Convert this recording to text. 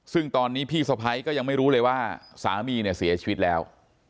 ซึ่งตอนนี้พี่สะพ้ายก็ยังไม่รู้เลยว่าสามีเนี่ยเสียชีวิตแล้ว